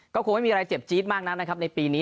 ก็คงไม่มีอะไรเจ็บจี๊ดมากนักนะครับในปีนี้